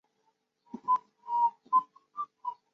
脑化指数和相似的脑部身体质量比的因素。